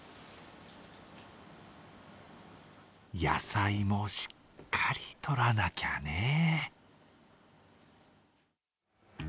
野菜もしっかりとらなきゃね。